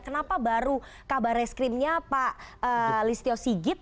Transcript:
kenapa baru kabar reskrimnya pak listio sigit